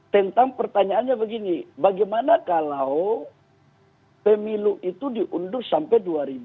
tentang pertanyaannya begini bagaimana kalau pemilu itu diundur sampai dua ribu dua puluh